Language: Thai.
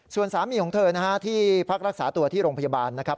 ส่วนสามีของเธอนะฮะที่พักรักษาตัวที่โรงพยาบาลนะครับ